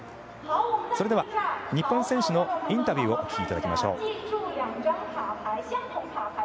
それでは日本選手のインタビューをお聞きいただきましょう。